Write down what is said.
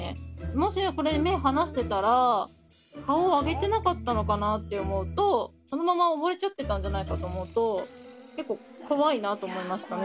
もしこれで目を離してたら顔を上げてなかったのかなって思うとそのまま溺れちゃってたんじゃないかと思うと結構怖いなと思いましたね